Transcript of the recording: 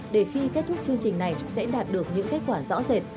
để khi kết thúc chương trình này sẽ đạt được những kết quả rõ rệt